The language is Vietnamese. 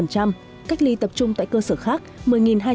cách ly tập trung tại cơ sở khác một mươi hai trăm chín mươi ba người ba mươi